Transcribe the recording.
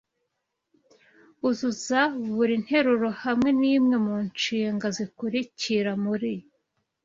Uzuza buri nteruro hamwe nimwe mu nshinga zikurikira muri